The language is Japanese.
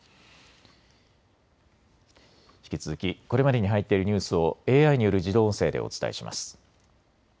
引き続きこれまでに入っているニュースをＡＩによる自動音声でお伝えします。